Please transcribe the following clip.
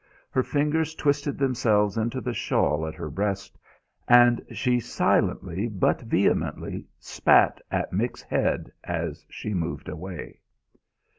Her fingers twisted themselves into the shawl at her breast, and she silently but vehemently spat at Mick's head as she moved away.